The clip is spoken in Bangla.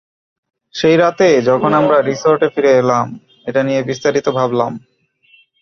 সেই রাতে যখন আমরা রিসর্টে ফিরে এলাম, এটা নিয়ে বিস্তারিত ভাবলাম।